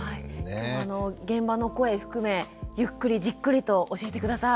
現場の声含めゆっくりじっくりと教えて下さい。